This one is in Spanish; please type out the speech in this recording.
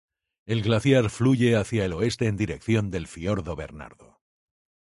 El glaciar fluye hacia el oeste en dirección del fiordo Bernardo.